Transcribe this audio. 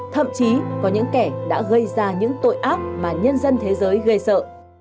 thậm chí có những kẻ đã gây ra những tội ác mà nhân dân thế giới gây sợ